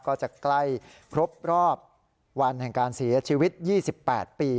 ใกล้ครบรอบวันแห่งการเสียชีวิต๒๘ปี